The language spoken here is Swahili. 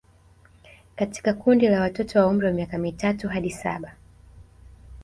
Katika kundi la watoto wa umri wa miaka mitatu hadi saba